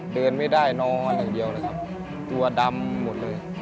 เดินไม่ได้นอนอย่างเดียวเลยครับตัวดำหมดเลย